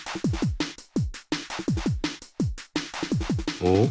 おっ？